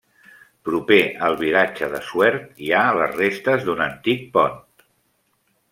Proper al vilatge de Suert hi ha les restes d'un antic pont.